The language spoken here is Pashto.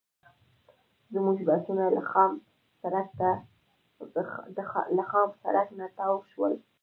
زموږ بسونه له خام سړک نه تاو شول.